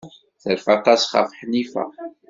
Terfa aṭas ɣef Ḥnifa.